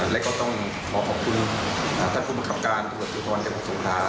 และก็ต้องขอขอบคุณท่านผู้บังกลับการทหวัตรสุนทรชนจังหวัดสมภา